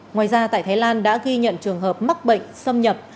ngoài ra tại thái lan đã ghi nhận trường hợp mắc bệnh xâm nhập